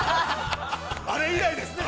あれ以来ですね。